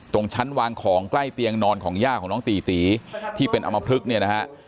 ตรงชั้นวางของใกล้เตียงนอนของย่าของน้องตีตีที่เป็นอมพลึกเนี่ยนะฮะ